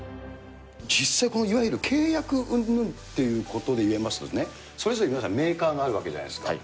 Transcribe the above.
実際このいわゆる契約うんぬんっていうことでいいますとね、それぞれ皆さん、メーカーがあるわけじゃないですか。